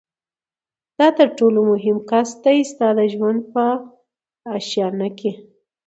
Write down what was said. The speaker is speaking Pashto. دا تر ټولو مهم کس دی ستا د ژوند په آشیانه کي